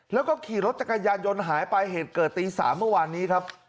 แล้วก็ขี่รถจักรยานยนต์หายไปเหตุเกิดตี๓เมื่อวานนี้ครับ